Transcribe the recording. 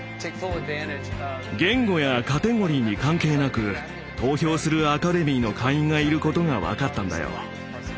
言語やカテゴリーに関係なく投票するアカデミーの会員がいることが分かったんだよ。